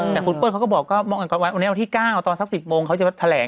แต่คุณเปิ้ลเขาก็บอกวันนี้วันที่๙ตอนสัก๑๐โมงเขาจะแถลง